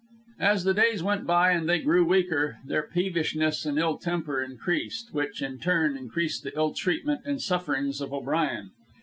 As the days went by and they grew weaker, their peevishness and ill temper increased, which, in turn, increased the ill treatment and sufferings of O'Brien.